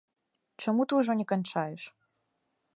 Чаму ты ўжо не канчаеш?